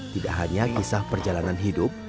tidak hanya kisah perjalanan hidup